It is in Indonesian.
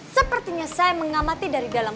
sepertinya saya mengamati dari dalam